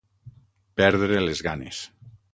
Perdre les ganes.